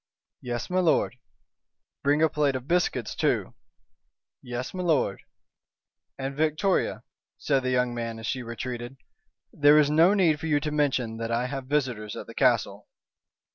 "Yes, m'lord!" "Bring a plate of biscuits too." "Yes, m'lord!" "And, Victoria," said the young man, as she retreated, "there is no need for you to mention that I have visitors at the castle."